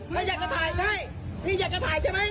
ไม่อยากจะถ่ายใช่พี่อยากจะถ่ายใช่ไหม